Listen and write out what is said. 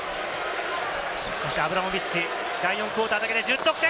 アブラモビッチ、第４クオーターだけで１０得点。